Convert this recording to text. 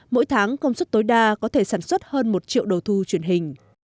mỗi tháng công suất tối đa có thể sản xuất hơn một triệu đồ thu truyền hình